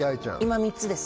今３つです